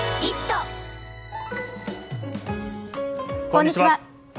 こんにちは。